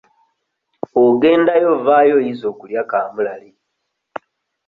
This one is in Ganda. Bw'ogendayo ovaayo oyize okulya kaamulali.